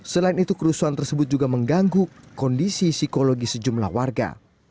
selain itu kerusuhan tersebut juga mengganggu kondisi psikologi sejumlah warga